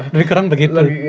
lebih kurang begitu